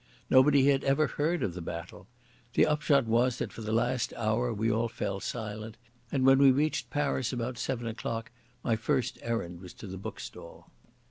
Nobody had ever heard of the battle. The upshot was that for the last hour we all fell silent, and when we reached Paris about seven o'clock my first errand was to the bookstall.